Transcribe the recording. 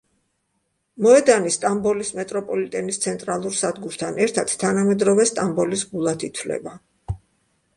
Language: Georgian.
მოედანი, სტამბოლის მეტროპოლიტენის ცენტრალურ სადგურთან ერთად, თანამედროვე სტამბოლის გულად ითვლება.